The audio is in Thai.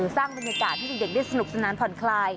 สร้างบรรยากาศให้เด็กได้สนุกสนานผ่อนคลาย